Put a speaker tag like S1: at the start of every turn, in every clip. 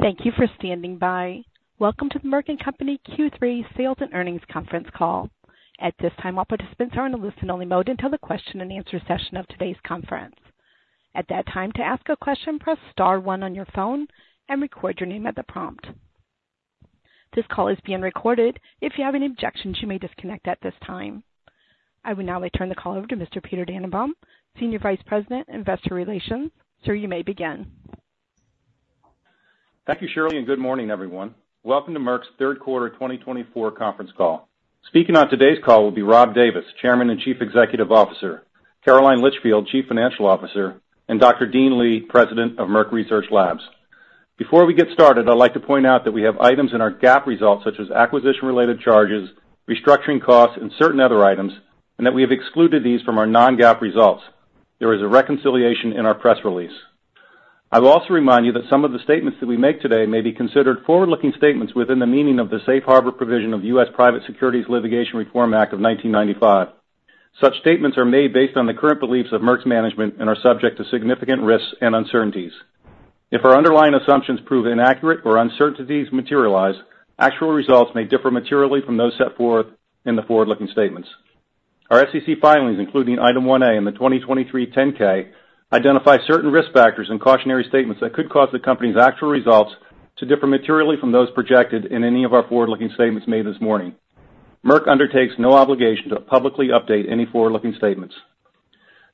S1: Thank you for standing by. Welcome to the Merck & Company Q3 Sales and Earnings Conference Call. At this time, all participants are in a listen-only mode until the question-and-answer session of today's conference. At that time, to ask a question, press star one on your phone and record your name at the prompt. This call is being recorded. If you have any objections, you may disconnect at this time. I will now return the call over to Mr. Peter Dannenbaum, Senior Vice President, Investor Relations. Sir, you may begin.
S2: Thank you, Shirley, and good morning, everyone. Welcome to Merck's third quarter 2024 conference call. Speaking on today's call will be Rob Davis, Chairman and Chief Executive Officer; Caroline Litchfield, Chief Financial Officer; and Dr. Dean Li, President of Merck Research Labs. Before we get started, I'd like to point out that we have items in our GAAP results such as acquisition-related charges, restructuring costs, and certain other items, and that we have excluded these from our non-GAAP results. There is a reconciliation in our press release. I will also remind you that some of the statements that we make today may be considered forward-looking statements within the meaning of the Safe Harbor Provision of the U.S. Private Securities Litigation Reform Act of 1995. Such statements are made based on the current beliefs of Merck's management and are subject to significant risks and uncertainties. If our underlying assumptions prove inaccurate or uncertainties materialize, actual results may differ materially from those set forth in the forward-looking statements. Our SEC filings, including item 1A in the 2023 10-K, identify certain risk factors and cautionary statements that could cause the company's actual results to differ materially from those projected in any of our forward-looking statements made this morning. Merck undertakes no obligation to publicly update any forward-looking statements.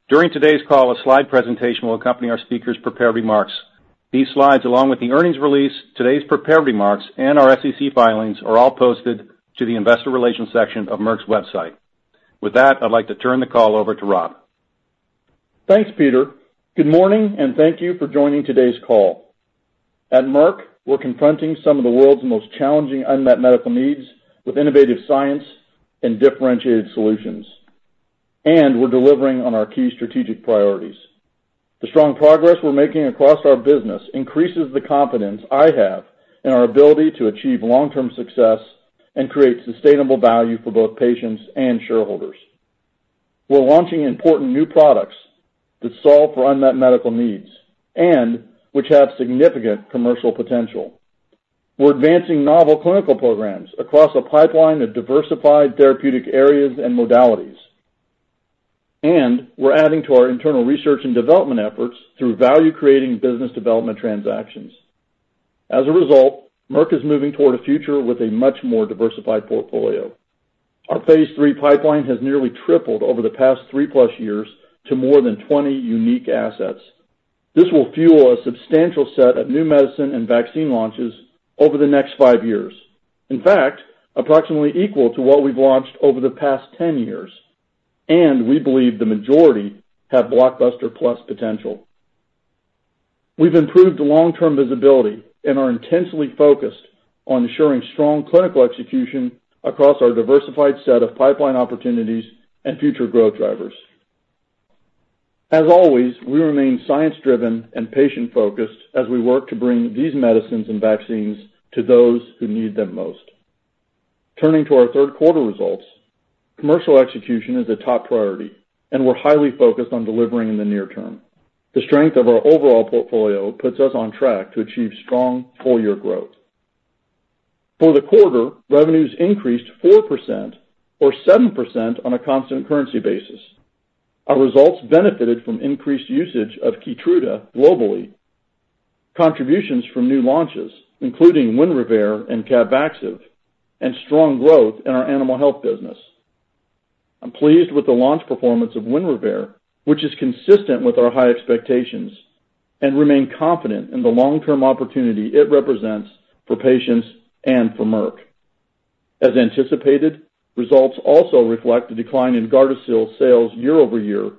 S2: During today's call, a slide presentation will accompany our speaker's prepared remarks. These slides, along with the earnings release, today's prepared remarks, and our SEC filings, are all posted to the Investor Relations section of Merck's website. With that, I'd like to turn the call over to Rob.
S3: Thanks, Peter. Good morning, and thank you for joining today's call. At Merck, we're confronting some of the world's most challenging unmet medical needs with innovative science and differentiated solutions, and we're delivering on our key strategic priorities. The strong progress we're making across our business increases the confidence I have in our ability to achieve long-term success and create sustainable value for both patients and shareholders. We're launching important new products that solve for unmet medical needs and which have significant commercial potential. We're advancing novel clinical programs across a pipeline of diversified therapeutic areas and modalities, and we're adding to our internal research and development efforts through value-creating business development transactions. As a result, Merck is moving toward a future with a much more diversified portfolio. Our phase three pipeline has nearly tripled over the past three-plus years to more than 20 unique assets. This will fuel a substantial set of new medicine and vaccine launches over the next five years, in fact, approximately equal to what we've launched over the past 10 years, and we believe the majority have blockbuster-plus potential. We've improved long-term visibility and are intensely focused on ensuring strong clinical execution across our diversified set of pipeline opportunities and future growth drivers. As always, we remain science-driven and patient-focused as we work to bring these medicines and vaccines to those who need them most. Turning to our third quarter results, commercial execution is a top priority, and we're highly focused on delivering in the near term. The strength of our overall portfolio puts us on track to achieve strong full-year growth. For the quarter, revenues increased 4% or 7% on a constant currency basis. Our results benefited from increased usage of Keytruda globally, contributions from new launches, including Winrevair and Capvaxive, and strong growth in our animal health business. I'm pleased with the launch performance of Winrevair, which is consistent with our high expectations, and remain confident in the long-term opportunity it represents for patients and for Merck. As anticipated, results also reflect a decline in Gardasil sales year over year.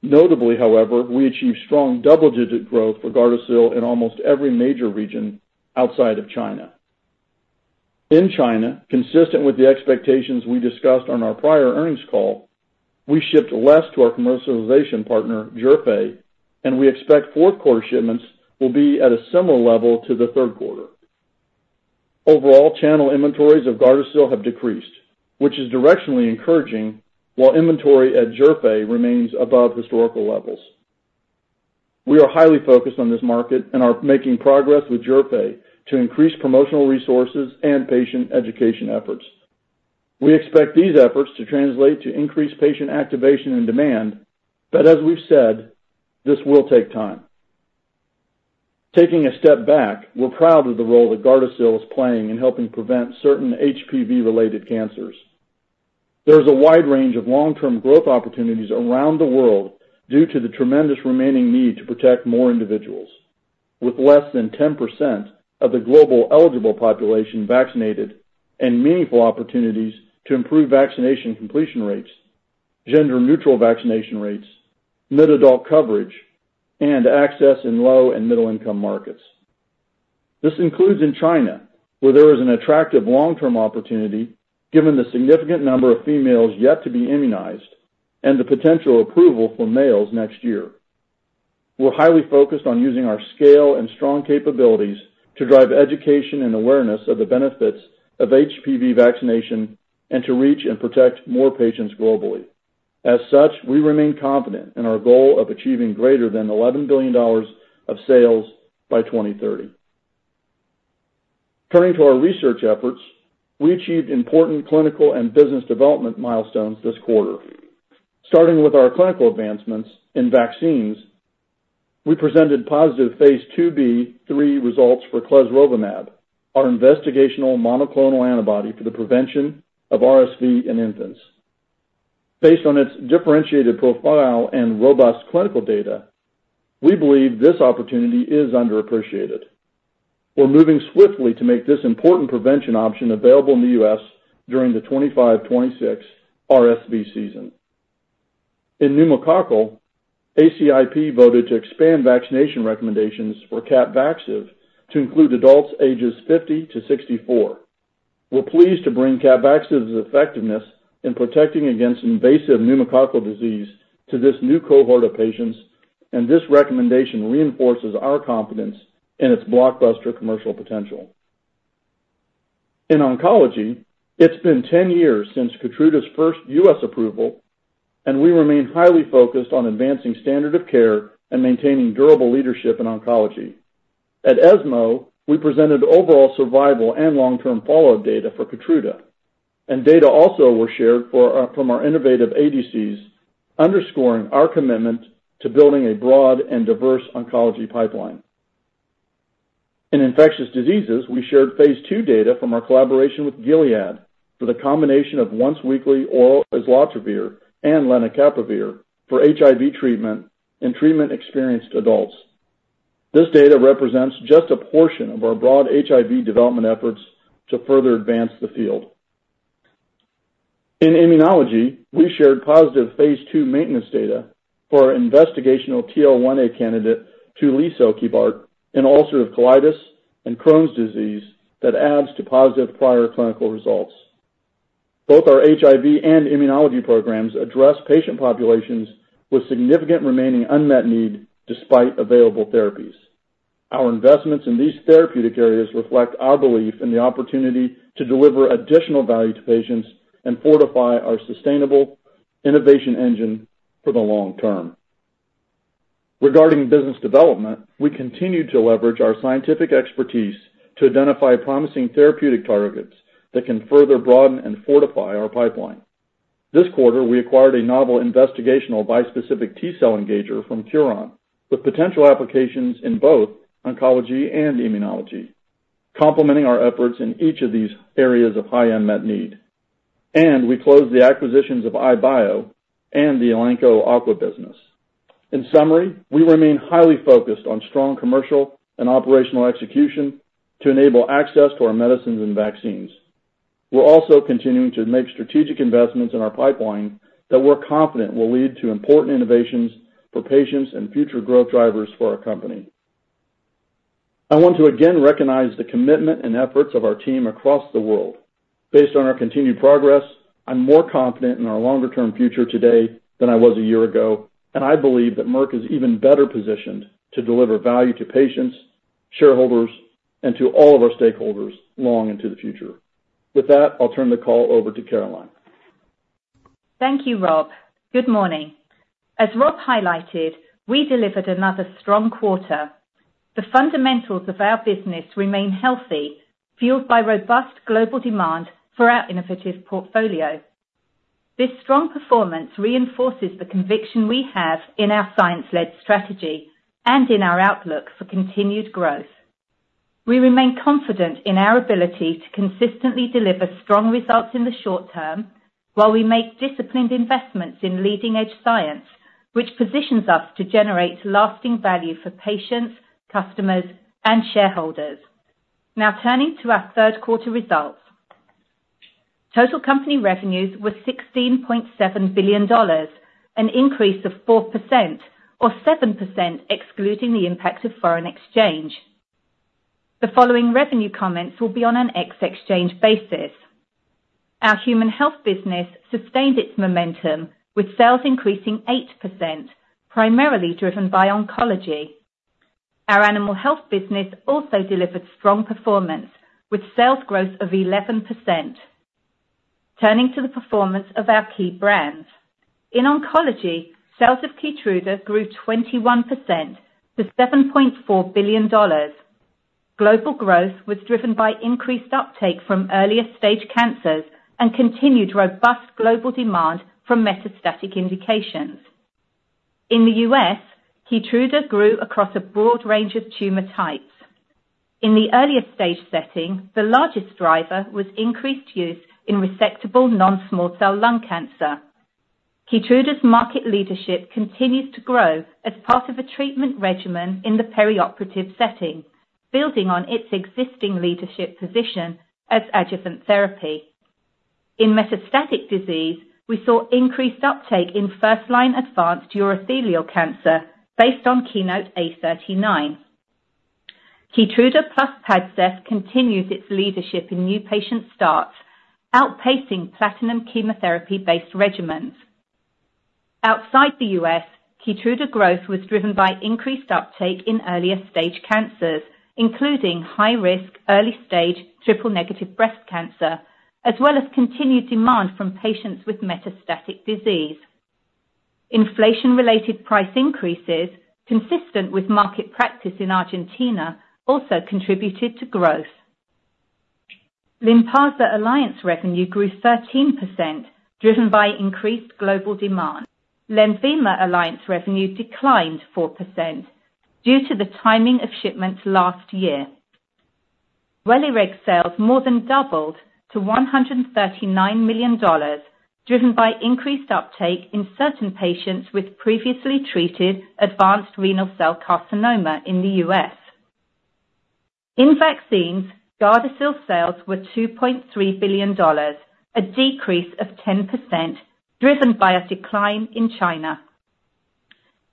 S3: Notably, however, we achieved strong double-digit growth for Gardasil in almost every major region outside of China. In China, consistent with the expectations we discussed on our prior earnings call, we shipped less to our commercialization partner, Zhifei, and we expect fourth-quarter shipments will be at a similar level to the third quarter. Overall, channel inventories of Gardasil have decreased, which is directionally encouraging, while inventory at Zhifei remains above historical levels. We are highly focused on this market and are making progress with Zhifei to increase promotional resources and patient education efforts. We expect these efforts to translate to increased patient activation and demand, but as we've said, this will take time. Taking a step back, we're proud of the role that Gardasil is playing in helping prevent certain HPV-related cancers. There is a wide range of long-term growth opportunities around the world due to the tremendous remaining need to protect more individuals, with less than 10% of the global eligible population vaccinated and meaningful opportunities to improve vaccination completion rates, gender-neutral vaccination rates, mid-adult coverage, and access in low and middle-income markets. This includes in China, where there is an attractive long-term opportunity given the significant number of females yet to be immunized and the potential approval for males next year. We're highly focused on using our scale and strong capabilities to drive education and awareness of the benefits of HPV vaccination and to reach and protect more patients globally. As such, we remain confident in our goal of achieving greater than $11 billion of sales by 2030. Turning to our research efforts, we achieved important clinical and business development milestones this quarter. Starting with our clinical advancements in vaccines, we presented positive phase 2/3 results for clesrovimab, our investigational monoclonal antibody for the prevention of RSV in infants. Based on its differentiated profile and robust clinical data, we believe this opportunity is underappreciated. We're moving swiftly to make this important prevention option available in the U.S. during the 25-26 RSV season. In pneumococcal, ACIP voted to expand vaccination recommendations for Capvaxive to include adults ages 50 to 64. We're pleased to bring Capvaxive's effectiveness in protecting against invasive pneumococcal disease to this new cohort of patients, and this recommendation reinforces our confidence in its blockbuster commercial potential. In oncology, it's been 10 years since Keytruda's first U.S. approval, and we remain highly focused on advancing standard of care and maintaining durable leadership in oncology. At ESMO, we presented overall survival and long-term follow-up data for Keytruda, and data also were shared from our innovative ADCs, underscoring our commitment to building a broad and diverse oncology pipeline. In infectious diseases, we shared phase 2 data from our collaboration with Gilead for the combination of once-weekly oral islatravir and lenacapavir for HIV treatment in treatment-experienced adults. This data represents just a portion of our broad HIV development efforts to further advance the field. In immunology, we shared positive phase two maintenance data for our investigational TL1A candidate, tulisokibart, in ulcerative colitis and Crohn's disease that adds to positive prior clinical results. Both our HIV and immunology programs address patient populations with significant remaining unmet need despite available therapies. Our investments in these therapeutic areas reflect our belief in the opportunity to deliver additional value to patients and fortify our sustainable innovation engine for the long term. Regarding business development, we continue to leverage our scientific expertise to identify promising therapeutic targets that can further broaden and fortify our pipeline. This quarter, we acquired a novel investigational bispecific T-cell engager from Curon with potential applications in both oncology and immunology, complementing our efforts in each of these areas of high unmet need. We closed the acquisitions of iBio and the Elanco Aqua business. In summary, we remain highly focused on strong commercial and operational execution to enable access to our medicines and vaccines. We're also continuing to make strategic investments in our pipeline that we're confident will lead to important innovations for patients and future growth drivers for our company. I want to again recognize the commitment and efforts of our team across the world. Based on our continued progress, I'm more confident in our longer-term future today than I was a year ago, and I believe that Merck is even better positioned to deliver value to patients, shareholders, and to all of our stakeholders long into the future. With that, I'll turn the call over to Caroline.
S4: Thank you, Rob. Good morning. As Rob highlighted, we delivered another strong quarter. The fundamentals of our business remain healthy, fueled by robust global demand for our innovative portfolio. This strong performance reinforces the conviction we have in our science-led strategy and in our outlook for continued growth. We remain confident in our ability to consistently deliver strong results in the short term while we make disciplined investments in leading-edge science, which positions us to generate lasting value for patients, customers, and shareholders. Now turning to our third quarter results, total company revenues were $16.7 billion, an increase of 4% or 7% excluding the impact of foreign exchange. The following revenue comments will be on an ex-exchange basis. Our human health business sustained its momentum, with sales increasing 8%, primarily driven by oncology. Our animal health business also delivered strong performance, with sales growth of 11%. Turning to the performance of our key brands. In oncology, sales of Keytruda grew 21% to $7.4 billion. Global growth was driven by increased uptake from earlier stage cancers and continued robust global demand for metastatic indications. In the U.S., Keytruda grew across a broad range of tumor types. In the earlier stage setting, the largest driver was increased use in resectable non-small cell lung cancer. Keytruda's market leadership continues to grow as part of a treatment regimen in the perioperative setting, building on its existing leadership position as adjuvant therapy. In metastatic disease, we saw increased uptake in first-line advanced urothelial cancer based on KEYNOTE-A39. Keytruda plus Padcev continues its leadership in new patient starts, outpacing platinum chemotherapy-based regimens. Outside the U.S., Keytruda growth was driven by increased uptake in earlier stage cancers, including high-risk early-stage triple-negative breast cancer, as well as continued demand from patients with metastatic disease. Inflation-related price increases, consistent with market practice in Argentina, also contributed to growth. Lynparza Alliance revenue grew 13%, driven by increased global demand. Lenvima Alliance revenue declined 4% due to the timing of shipments last year. Varivax sales more than doubled to $139 million, driven by increased uptake in certain patients with previously treated advanced renal cell carcinoma in the U.S. In vaccines, Gardasil sales were $2.3 billion, a decrease of 10%, driven by a decline in China.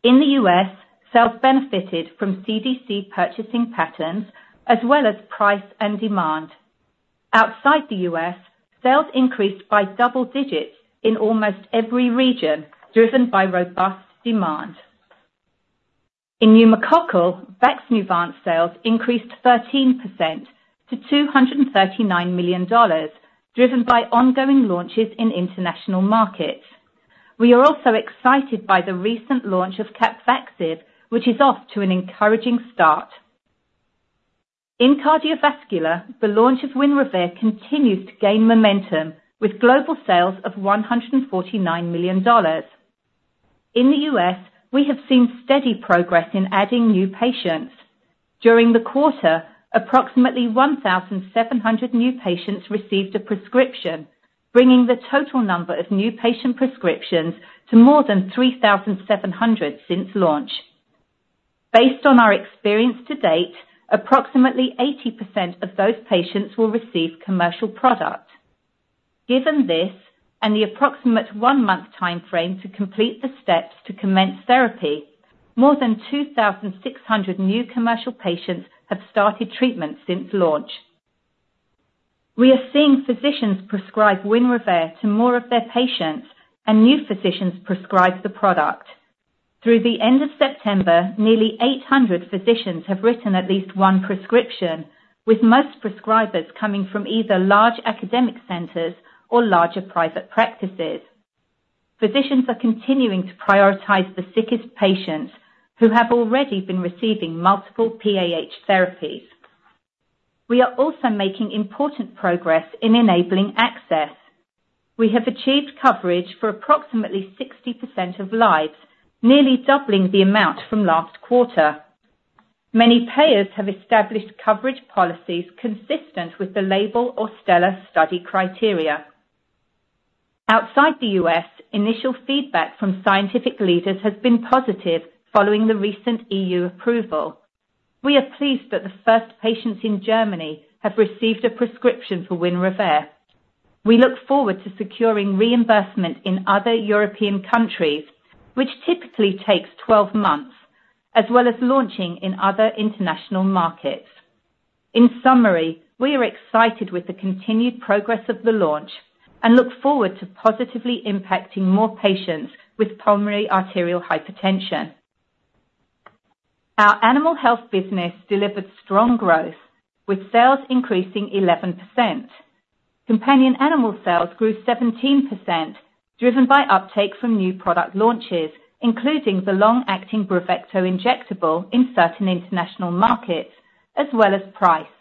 S4: In the U.S., sales benefited from CDC purchasing patterns as well as price and demand. Outside the U.S., sales increased by double digits in almost every region, driven by robust demand. In pneumococcal, Vaxneuvance sales increased 13% to $239 million, driven by ongoing launches in international markets. We are also excited by the recent launch of Capvaxive, which is off to an encouraging start. In cardiovascular, the launch of Winrevair continues to gain momentum, with global sales of $149 million. In the U.S., we have seen steady progress in adding new patients. During the quarter, approximately 1,700 new patients received a prescription, bringing the total number of new patient prescriptions to more than 3,700 since launch. Based on our experience to date, approximately 80% of those patients will receive commercial product. Given this and the approximate one-month timeframe to complete the steps to commence therapy, more than 2,600 new commercial patients have started treatment since launch. We are seeing physicians prescribe Winrevair to more of their patients, and new physicians prescribe the product. Through the end of September, nearly 800 physicians have written at least one prescription, with most prescribers coming from either large academic centers or larger private practices. Physicians are continuing to prioritize the sickest patients who have already been receiving multiple PAH therapies. We are also making important progress in enabling access. We have achieved coverage for approximately 60% of lives, nearly doubling the amount from last quarter. Many payers have established coverage policies consistent with the label or STELLAR study criteria. Outside the U.S., initial feedback from scientific leaders has been positive following the recent EU approval. We are pleased that the first patients in Germany have received a prescription for Winrevair. We look forward to securing reimbursement in other European countries, which typically takes 12 months, as well as launching in other international markets. In summary, we are excited with the continued progress of the launch and look forward to positively impacting more patients with pulmonary arterial hypertension. Our animal health business delivered strong growth, with sales increasing 11%. Companion animal sales grew 17%, driven by uptake from new product launches, including the long-acting Bravecto injectable in certain international markets, as well as price.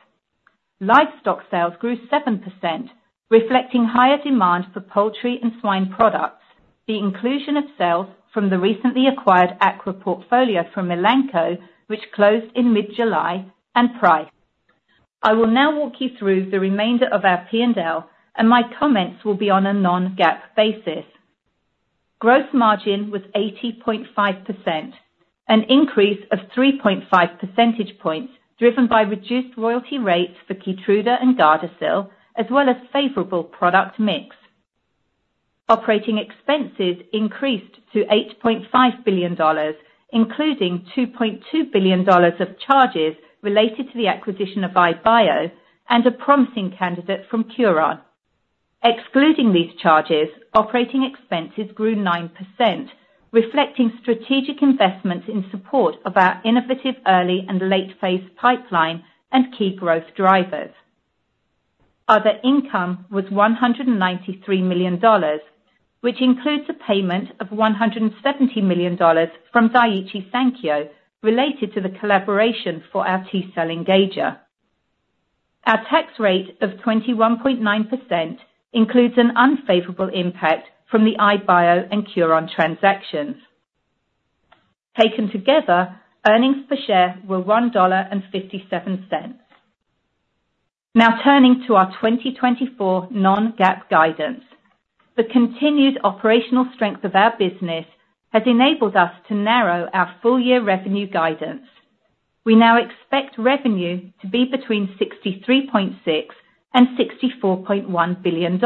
S4: Livestock sales grew 7%, reflecting higher demand for poultry and swine products. The inclusion of sales from the recently acquired Aqua portfolio from Elanco, which closed in mid-July, and price. I will now walk you through the remainder of our P&L, and my comments will be on a non-GAAP basis. Gross margin was 80.5%, an increase of 3.5 percentage points, driven by reduced royalty rates for Keytruda and Gardasil, as well as favorable product mix. Operating expenses increased to $8.5 billion, including $2.2 billion of charges related to the acquisition of iBio and a promising candidate from Curon. Excluding these charges, operating expenses grew 9%, reflecting strategic investments in support of our innovative early and late-phase pipeline and key growth drivers. Other income was $193 million, which includes a payment of $170 million from Daiichi Sankyo related to the collaboration for our T-cell engager. Our tax rate of 21.9% includes an unfavorable impact from the iBio and Curon transactions. Taken together, earnings per share were $1.57. Now turning to our 2024 non-GAAP guidance. The continued operational strength of our business has enabled us to narrow our full-year revenue guidance. We now expect revenue to be between $63.6 and $64.1 billion.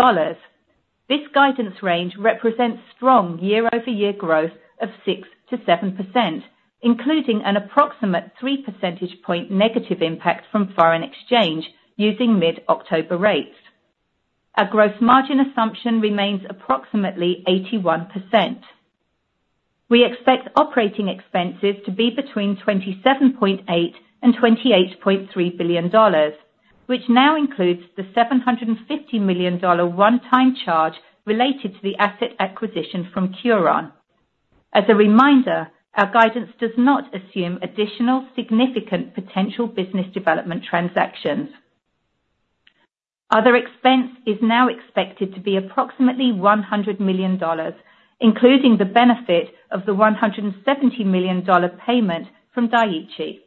S4: This guidance range represents strong year-over-year growth of 6% to 7%, including an approximate 3 percentage point negative impact from foreign exchange using mid-October rates. Our gross margin assumption remains approximately 81%. We expect operating expenses to be between $27.8 biilion-$28.3 billion, which now includes the $750 million one-time charge related to the asset acquisition from Curon. As a reminder, our guidance does not assume additional significant potential business development transactions. Other expense is now expected to be approximately $100 million, including the benefit of the $170 million payment from Daiichi.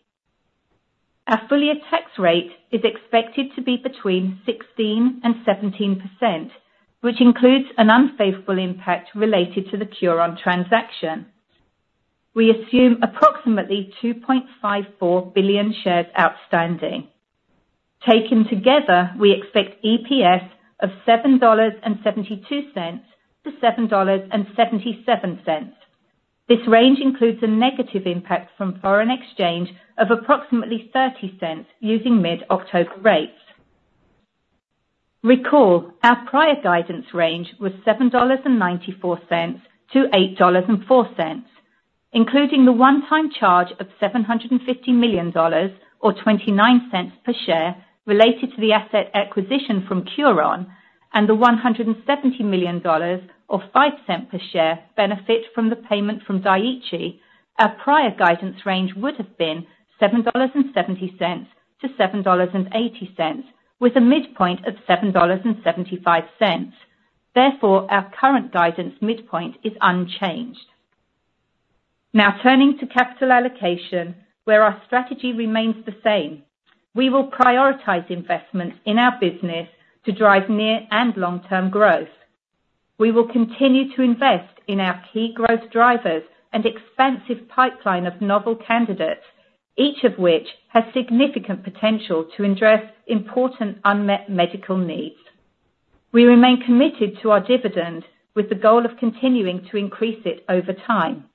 S4: Our full-year tax rate is expected to be between 16%-17%, which includes an unfavorable impact related to the Curon transaction. We assume approximately 2.54 billion shares outstanding. Taken together, we expect EPS of $7.72-$7.77. This range includes a negative impact from foreign exchange of approximately $0.30 using mid-October rates. Recall our prior guidance range was $7.94-$8.04, including the one-time charge of $750 million or $0.29 per share related to the asset acquisition from Curon and the $170 million or $0.05 per share benefit from the payment from Daiichi. Our prior guidance range would have been $7.70-$7.80, with a midpoint of $7.75. Therefore, our current guidance midpoint is unchanged. Now turning to capital allocation, where our strategy remains the same. We will prioritize investments in our business to drive near and long-term growth. We will continue to invest in our key growth drivers and expansive pipeline of novel candidates, each of which has significant potential to address important unmet medical needs. We remain committed to our dividend, with the goal of continuing to increase it over time.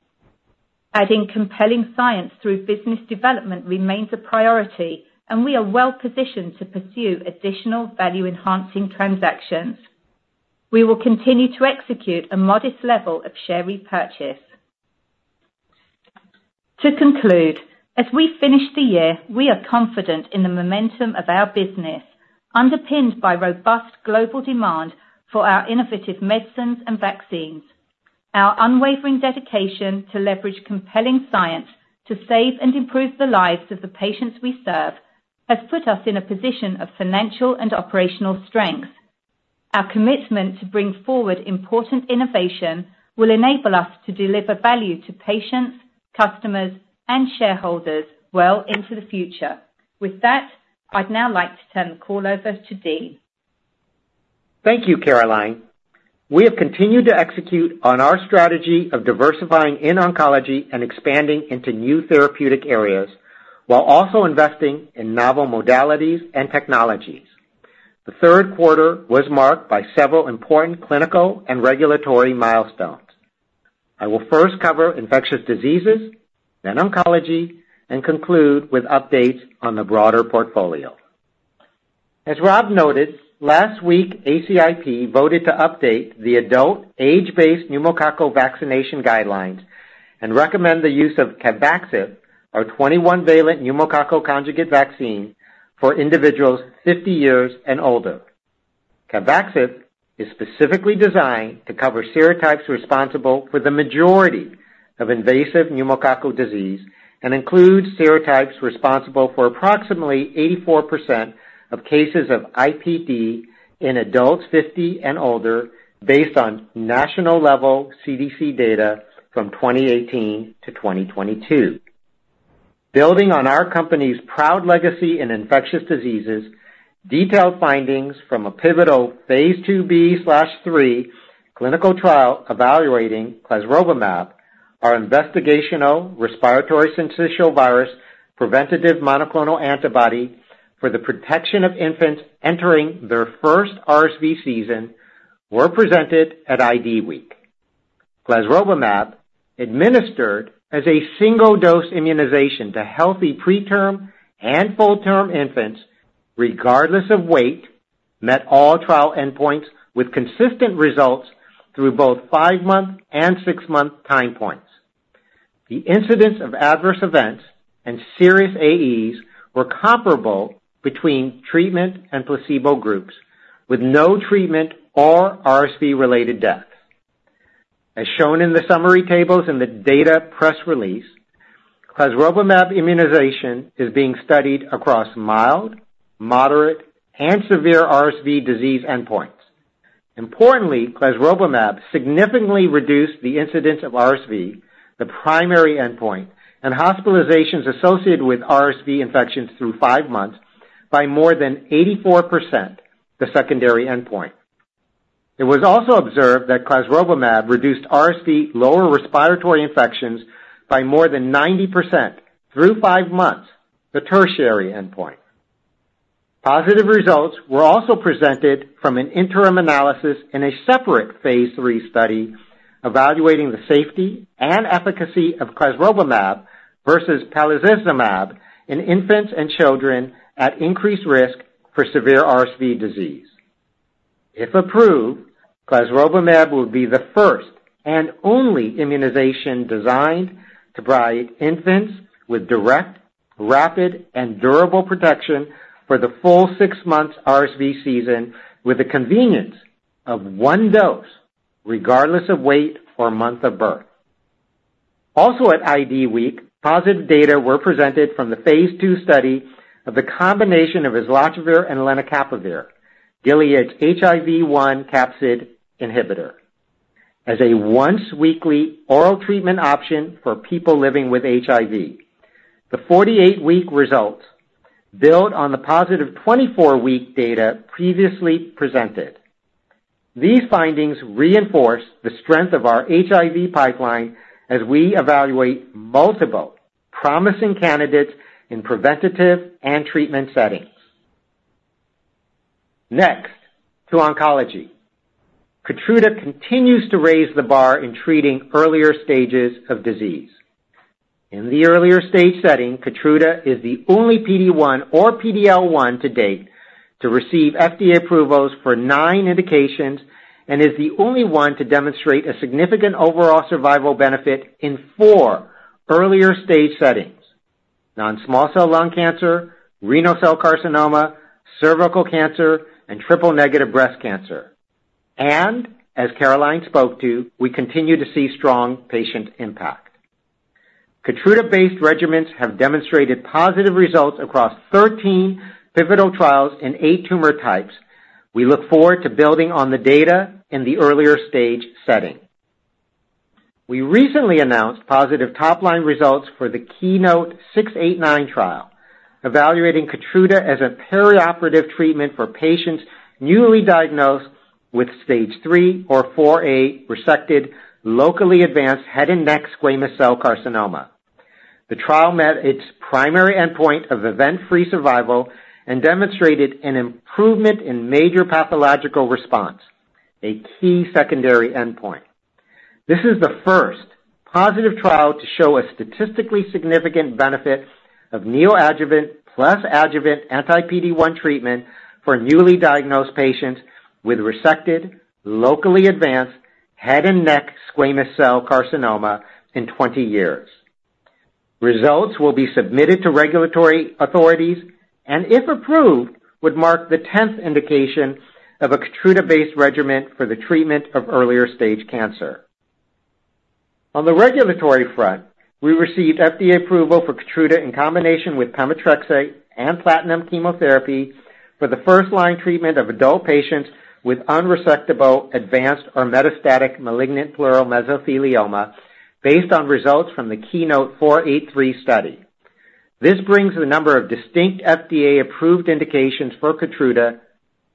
S4: Adding compelling science through business development remains a priority, and we are well positioned to pursue additional value-enhancing transactions. We will continue to execute a modest level of share repurchase. To conclude, as we finish the year, we are confident in the momentum of our business, underpinned by robust global demand for our innovative medicines and vaccines. Our unwavering dedication to leverage compelling science to save and improve the lives of the patients we serve has put us in a position of financial and operational strength. Our commitment to bring forward important innovation will enable us to deliver value to patients, customers, and shareholders well into the future. With that, I'd now like to turn the call over to Dean.
S5: Thank you, Caroline. We have continued to execute on our strategy of diversifying in oncology and expanding into new therapeutic areas, while also investing in novel modalities and technologies. The third quarter was marked by several important clinical and regulatory milestones. I will first cover infectious diseases, then oncology, and conclude with updates on the broader portfolio. As Rob noted, last week, ACIP voted to update the adult age-based pneumococcal vaccination guidelines and recommend the use of Capvaxive, our 21-valent pneumococcal conjugate vaccine, for individuals 50 years and older. Capvaxive is specifically designed to cover serotypes responsible for the majority of invasive pneumococcal disease and includes serotypes responsible for approximately 84% of cases of IPD in adults 50 and older, based on national-level CDC data from 2018 to 2022. Building on our company's proud legacy in infectious diseases, detailed findings from a pivotal phase IIB/III clinical trial evaluating clesrovimab, our investigational respiratory syncytial virus preventative monoclonal antibody for the protection of infants entering their first RSV season, were presented at IDWeek. clesrovimab, administered as a single-dose immunization to healthy preterm and full-term infants, regardless of weight, met all trial endpoints with consistent results through both five-month and six-month time points. The incidence of adverse events and serious AEs were comparable between treatment and placebo groups, with no treatment or RSV-related death. As shown in the summary tables in the data press release, clesrovimab immunization is being studied across mild, moderate, and severe RSV disease endpoints. Importantly, clesrovimab significantly reduced the incidence of RSV, the primary endpoint, and hospitalizations associated with RSV infections through five months by more than 84%, the secondary endpoint. It was also observed that clesrovimab reduced RSV lower respiratory infections by more than 90% through five months, the tertiary endpoint. Positive results were also presented from an interim analysis in a separate phase 3 study evaluating the safety and efficacy of clesrovimab versus palivizumab in infants and children at increased risk for severe RSV disease. If approved, clesrovimab will be the first and only immunization designed to provide infants with direct, rapid, and durable protection for the full six-month RSV season, with the convenience of one dose, regardless of weight or month of birth. Also at IDWeek, positive data were presented from the phase 2 study of the combination of islatravir and lenacapavir, Gilead's HIV-1 capsid inhibitor, as a once-weekly oral treatment option for people living with HIV. The 48-week results build on the positive 24-week data previously presented. These findings reinforce the strength of our HIV pipeline as we evaluate multiple promising candidates in preventative and treatment settings. Next, to oncology. Keytruda continues to raise the bar in treating earlier stages of disease. In the earlier stage setting, Keytruda is the only PD-1 or PD-L1 to date to receive FDA approvals for nine indications and is the only one to demonstrate a significant overall survival benefit in four earlier stage settings: non-small cell lung cancer, renal cell carcinoma, cervical cancer, and triple-negative breast cancer, and as Caroline spoke to, we continue to see strong patient impact. Keytruda-based regimens have demonstrated positive results across 13 pivotal trials in eight tumor types. We look forward to building on the data in the earlier stage setting. We recently announced positive top-line results for the KEYNOTE-689 trial, evaluating Keytruda as a perioperative treatment for patients newly diagnosed with Stage III or IVA resected locally advanced head and neck squamous cell carcinoma. The trial met its primary endpoint of event-free survival and demonstrated an improvement in major pathological response, a key secondary endpoint. This is the first positive trial to show a statistically significant benefit of neoadjuvant plus adjuvant anti-PD-1 treatment for newly diagnosed patients with resected locally advanced head and neck squamous cell carcinoma in 20 years. Results will be submitted to regulatory authorities, and if approved, would mark the 10th indication of a Keytruda-based regimen for the treatment of earlier stage cancer. On the regulatory front, we received FDA approval for Keytruda in combination with pemetrexed and platinum chemotherapy for the first-line treatment of adult patients with unresectable advanced or metastatic malignant pleural mesothelioma, based on results from the KEYNOTE-483 study. This brings the number of distinct FDA-approved indications for Keytruda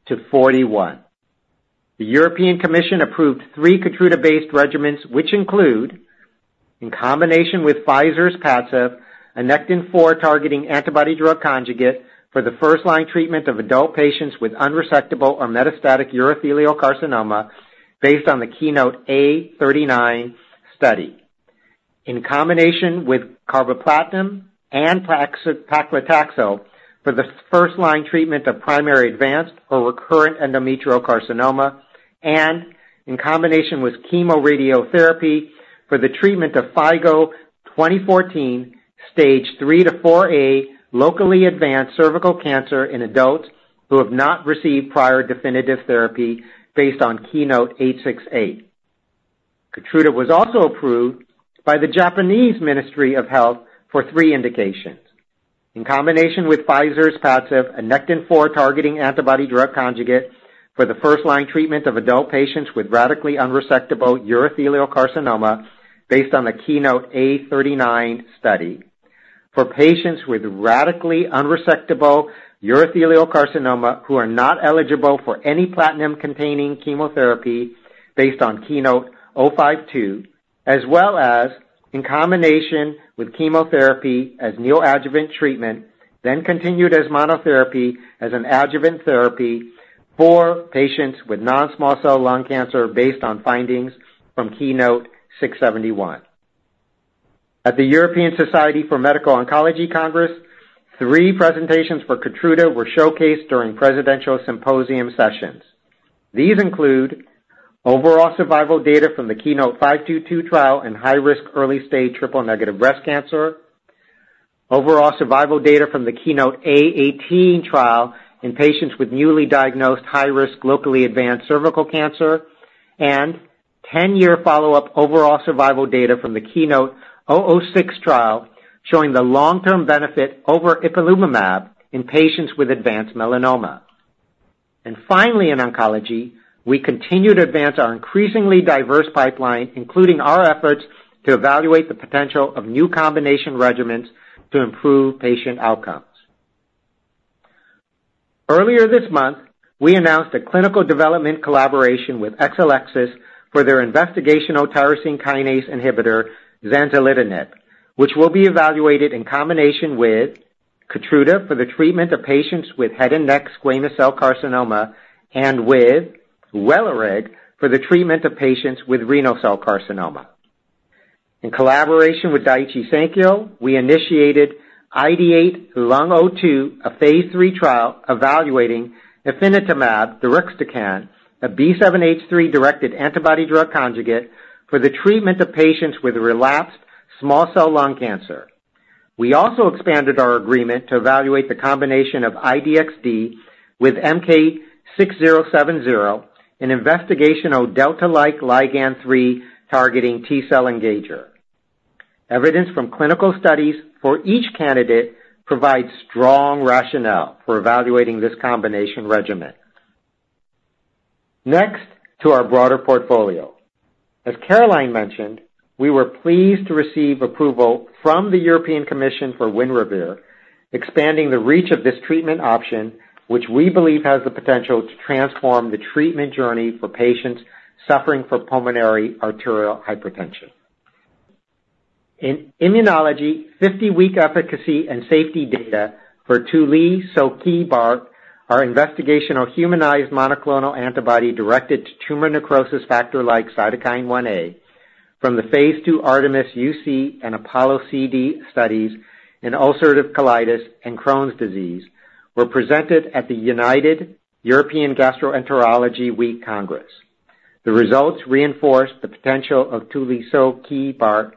S5: to 41. The European Commission approved three Keytruda-based regimens, which include, in combination with Pfizer's Padcev, a Nectin-4 targeting antibody-drug conjugate for the first-line treatment of adult patients with unresectable or metastatic urothelial carcinoma, based on the KEYNOTE-A39 study, in combination with carboplatin and paclitaxel for the first-line treatment of primary advanced or recurrent endometrial carcinoma, and in combination with chemoradiotherapy for the treatment of FIGO 2014 Stage III to IVA locally advanced cervical cancer in adults who have not received prior definitive therapy, based on KEYNOTE-868. Keytruda was also approved by the Japanese Ministry of Health for three indications, in combination with Pfizer's Padcev, a Nectin-4 targeting antibody-drug conjugate for the first-line treatment of adult patients with radically unresectable urothelial carcinoma, based on the KEYNOTE-A39 study, for patients with radically unresectable urothelial carcinoma who are not eligible for any platinum-containing chemotherapy, based on KEYNOTE-052, as well as in combination with chemotherapy as neoadjuvant treatment, then continued as monotherapy as an adjuvant therapy for patients with non-small cell lung cancer, based on findings from KEYNOTE-671. At the European Society for Medical Oncology Congress, three presentations for Keytruda were showcased during presidential symposium sessions. These include overall survival data from the KEYNOTE-522 trial in high-risk early-stage triple-negative breast cancer, overall survival data from the KEYNOTE-A18 trial in patients with newly diagnosed high-risk locally advanced cervical cancer, and 10-year follow-up overall survival data from the KEYNOTE-006 trial, showing the long-term benefit over ipilimumab in patients with advanced melanoma. And finally, in oncology, we continue to advance our increasingly diverse pipeline, including our efforts to evaluate the potential of new combination regimens to improve patient outcomes. Earlier this month, we announced a clinical development collaboration with Exelixis for their investigational tyrosine kinase inhibitor, zanzalintinib, which will be evaluated in combination with Keytruda for the treatment of patients with head and neck squamous cell carcinoma and with Welireg for the treatment of patients with renal cell carcinoma. In collaboration with Daiichi Sankyo, we initiated IDeaTe-Lung02, a phase III trial evaluating Ifinatamab deruxtecan, a B7-H3-directed antibody-drug conjugate for the treatment of patients with relapsed small cell lung cancer. We also expanded our agreement to evaluate the combination of I-DXd with MK-6070, an investigational delta-like ligand 3 targeting T-cell engager. Evidence from clinical studies for each candidate provides strong rationale for evaluating this combination regimen. Next to our broader portfolio. As Caroline mentioned, we were pleased to receive approval from the European Commission for Winrevair, expanding the reach of this treatment option, which we believe has the potential to transform the treatment journey for patients suffering from pulmonary arterial hypertension. In immunology, 50-week efficacy and safety data for tulisokibart, our investigational humanized monoclonal antibody directed to tumor necrosis factor-like cytokine 1A, from the phase II ARTEMIS-UC and APOLLO-CD studies in ulcerative colitis and Crohn's disease, were presented at the United European Gastroenterology Week Congress. The results reinforced the potential of tulisokibart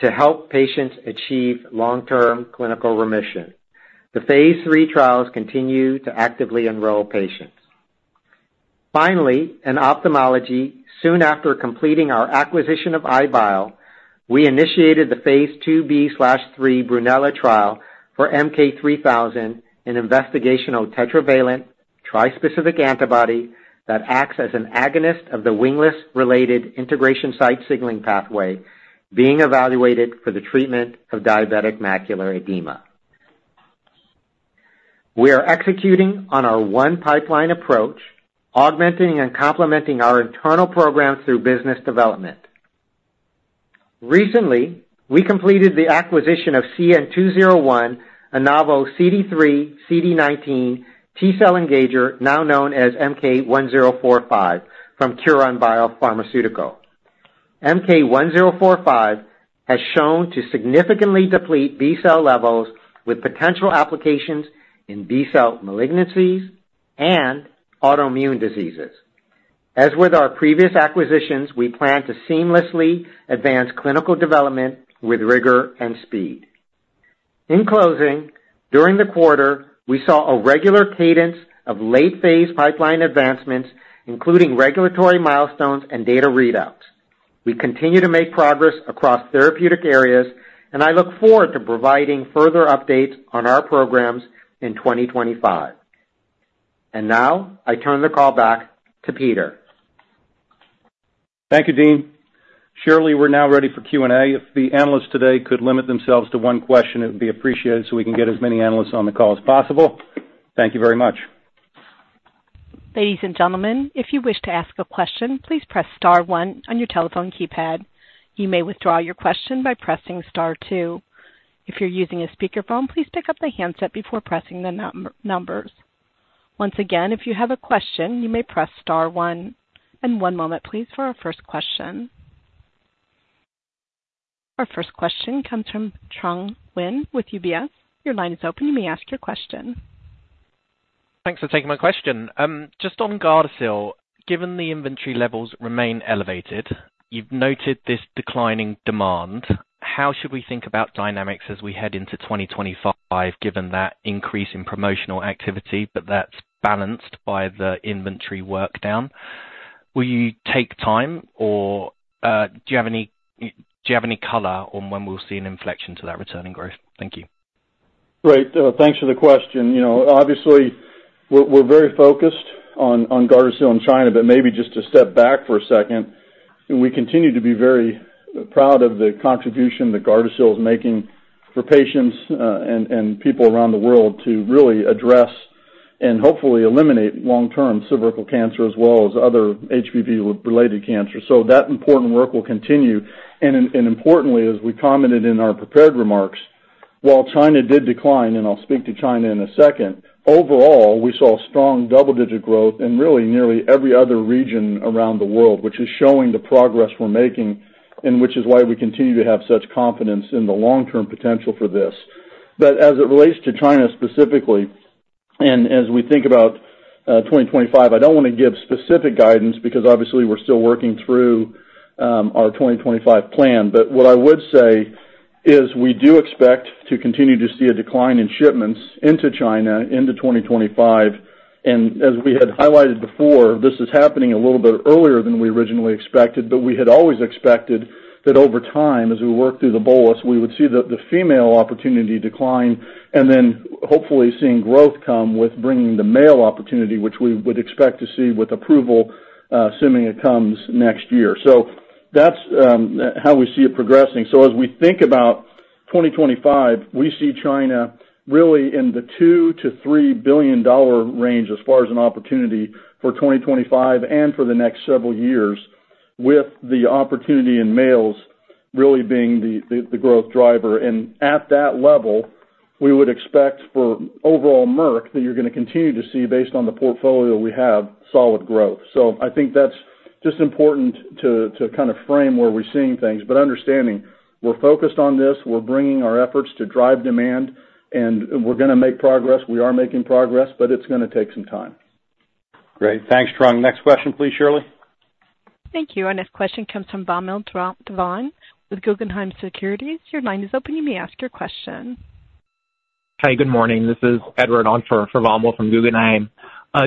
S5: to help patients achieve long-term clinical remission. The phase III trials continue to actively enroll patients. Finally, in ophthalmology, soon after completing our acquisition of iBio, we initiated the phase IIB/III BRUNELLO trial for MK-3000, an investigational tetravalent trispecific antibody that acts as an agonist of the Wnt signaling pathway, being evaluated for the treatment of diabetic macular edema. We are executing on our one-pipeline approach, augmenting and complementing our internal program through business development. Recently, we completed the acquisition of CN201, a novel CD3/CD19 T cell engager now known as MK-1045, from Curon Biopharmaceutical. MK-1045 has shown to significantly deplete B cell levels, with potential applications in B cell malignancies and autoimmune diseases. As with our previous acquisitions, we plan to seamlessly advance clinical development with rigor and speed. In closing, during the quarter, we saw a regular cadence of late-phase pipeline advancements, including regulatory milestones and data readouts. We continue to make progress across therapeutic areas, and I look forward to providing further updates on our programs in 2025. And now, I turn the call back to Peter.
S2: Thank you, Dean. Shirley, we're now ready for Q&A. If the analysts today could limit themselves to one question, it would be appreciated so we can get as many analysts on the call as possible. Thank you very much.
S1: Ladies and gentlemen, if you wish to ask a question, please press star one on your telephone keypad. You may withdraw your question by pressing star two. If you're using a speakerphone, please pick up the handset before pressing the numbers. Once again, if you have a question, you may press star one. One moment, please, for our first question. Our first question comes from Trung Huynh with UBS. Your line is open. You may ask your question.
S6: Thanks for taking my question. Just on Gardasil, given the inventory levels remain elevated, you've noted this declining demand. How should we think about dynamics as we head into 2025, given that increase in promotional activity, but that's balanced by the inventory workdown? Will you take time, or do you have any color on when we'll see an inflection to that returning growth? Thank you.
S3: Great. Thanks for the question. Obviously, we're very focused on Gardasil and China, but maybe just to step back for a second, we continue to be very proud of the contribution that Gardasil is making for patients and people around the world to really address and hopefully eliminate long-term cervical cancer, as well as other HPV-related cancers. So that important work will continue. And importantly, as we commented in our prepared remarks, while China did decline, and I'll speak to China in a second, overall, we saw strong double-digit growth in really nearly every other region around the world, which is showing the progress we're making, and which is why we continue to have such confidence in the long-term potential for this. But as it relates to China specifically, and as we think about 2025, I don't want to give specific guidance because obviously we're still working through our 2025 plan. But what I would say is we do expect to continue to see a decline in shipments into China into 2025. And as we had highlighted before, this is happening a little bit earlier than we originally expected, but we had always expected that over time, as we work through the bolus, we would see the female opportunity decline, and then hopefully seeing growth come with bringing the male opportunity, which we would expect to see with approval, assuming it comes next year. So that's how we see it progressing. So as we think about 2025, we see China really in the $2 billion-$3 billion range as far as an opportunity for 2025 and for the next several years, with the opportunity in males really being the growth driver. And at that level, we would expect for overall Merck that you're going to continue to see, based on the portfolio we have, solid growth. So I think that's just important to kind of frame where we're seeing things. But understanding, we're focused on this, we're bringing our efforts to drive demand, and we're going to make progress. We are making progress, but it's going to take some time.
S2: Great. Thanks, Trung. Next question, please, Shirley.
S1: Thank you. Our next question comes from Vamil Divan with Guggenheim Securities. Your line is open. You may ask your question.
S7: Hi, good morning. This is Edward Oosthuur from Vamil from Guggenheim.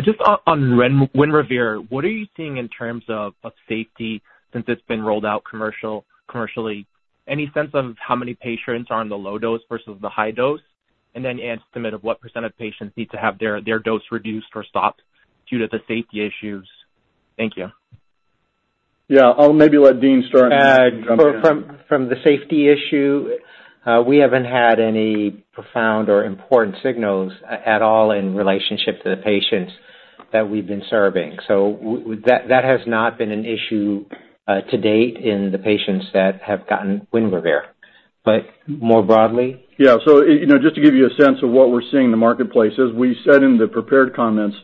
S7: Just on Winrevair, what are you seeing in terms of safety since it's been rolled out commercially? Any sense of how many patients are on the low dose versus the high dose? And then an estimate of what % of patients need to have their dose reduced or stopped due to the safety issues? Thank you.
S3: Yeah, I'll maybe let Dean start.
S5: From the safety issue, we haven't had any profound or important signals at all in relationship to the patients that we've been serving. So that has not been an issue to date in the patients that have gotten Winrevair, but more broadly?
S3: Yeah. So just to give you a sense of what we're seeing in the marketplace is we said in the prepared comments,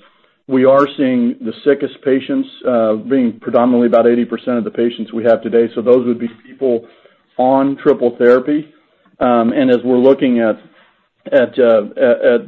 S3: we are seeing the sickest patients, being predominantly about 80% of the patients we have today. So those would be people on triple therapy. And as we're looking at the